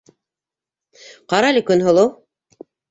Ҡара әле, Көнһылыу!